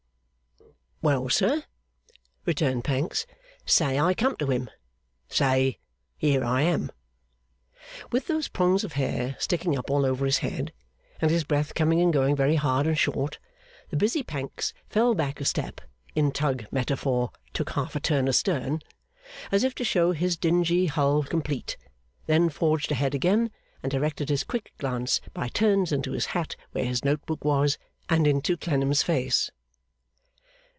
'Well, sir,' returned Pancks, 'say, I come to him. Say, here I am.' With those prongs of hair sticking up all over his head, and his breath coming and going very hard and short, the busy Pancks fell back a step (in Tug metaphor, took half a turn astern) as if to show his dingy hull complete, then forged a head again, and directed his quick glance by turns into his hat where his note book was, and into Clennam's face.